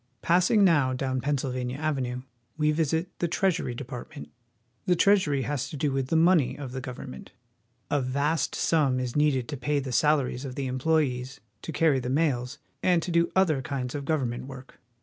Passing now down Pennsylvania Avenue, we visit the A Soldier. THE TREASURY DEPARTMENT. 39 Treasury Department. The Treasury has to do with the money of the government. A vast sum is needed to pay the salaries of the employees, to carry the mails, and to do other kinds of government work.